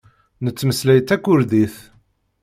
Nettmeslay takurdit.